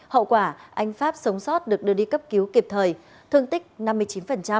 hậu quả anh pháp sống sót được đưa đi cấp cứu kịp thời thương tích năm mươi chín